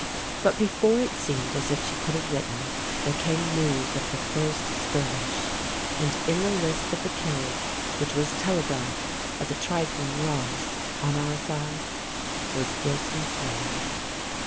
But before it seemed as if she could have written, there came news of the first skirmish, and in the list of the killed which was telegraphed as a trifling loss on our side, was Gearson's name.